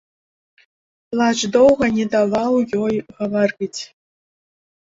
Плач доўга не даваў ёй гаварыць.